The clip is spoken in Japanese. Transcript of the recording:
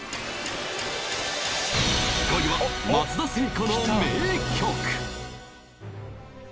５位は松田聖子の名曲